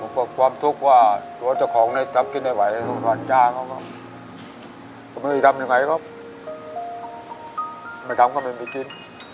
มันก็ความทุกข์ว่าหรือว่าเจ้าของไม่ทำกินให้ไหวให้ทุกท่านจ้างครับครับ